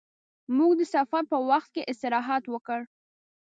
موږ د سفر په وخت کې استراحت وکړ.